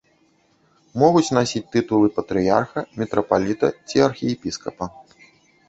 Могуць насіць тытулы патрыярха, мітрапаліта ці архіепіскапа.